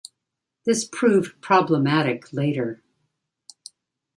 This proved problematic later.